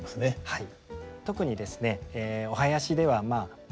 はい。